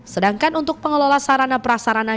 sedangkan untuk pengelola sarana prasarana